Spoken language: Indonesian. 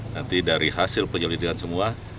nanti dari hasil penyelidikan semua